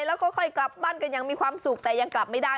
แล้วค่อยกลับบ้านกันอย่างมีความสุขแต่ยังกลับไม่ได้